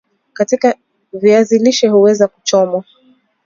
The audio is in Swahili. viazi lishe huweza huchomwa